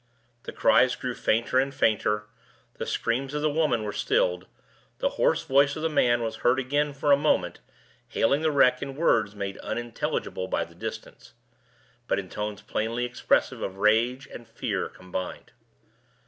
The cries grew fainter and fainter, the screams of the woman were stilled, the hoarse voice of the man was heard again for a moment, hailing the wreck in words made unintelligible by the distance, but in tones plainly expressive of rage and fear combined.